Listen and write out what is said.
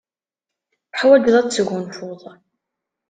Teḥwajeḍ ad tesgunfuḍ.